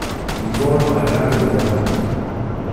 Il volo è rapido ed alto.